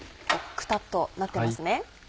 くたっとなってますね。